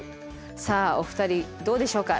さあお二人どうでしょうか？